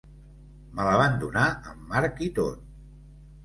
Me la van donar amb marc i tot.